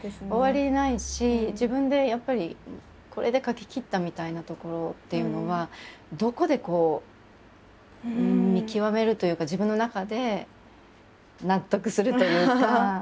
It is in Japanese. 終わりないし自分でやっぱりこれで書ききったみたいなところっていうのはどこで見極めるというか自分の中で納得するというかなのかしら？と。